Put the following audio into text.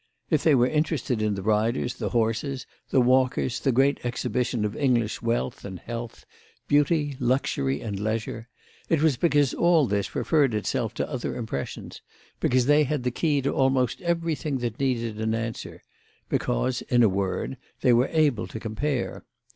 If they were interested in the riders, the horses, the walkers, the great exhibition of English wealth and health, beauty, luxury and leisure, it was because all this referred itself to other impressions, because they had the key to almost everything that needed an answer—because, in a word, they were able to compare.